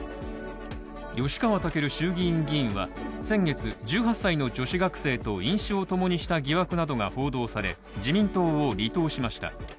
吉川赳衆議院議員は先月、１８歳の女子学生と、飲酒をともにした疑惑などが報道され自民党を離党しました。